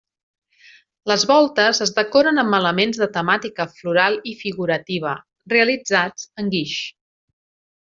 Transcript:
Les voltes es decoren amb elements de temàtica floral i figurativa, realitzats en guix.